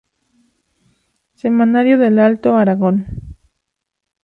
Semanario del Alto Aragón".